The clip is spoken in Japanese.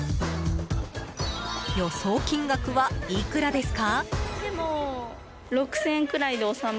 予想金額はいくらですか？